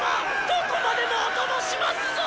どこまでもお供しますぞ！